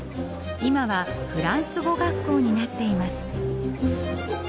今はフランス語学校になっています。